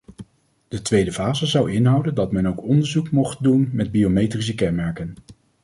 De tweede fase zou inhouden dat men ook onderzoek mocht doen met biometrische kenmerken.